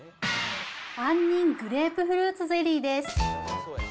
杏仁グレープフルーツゼリーです。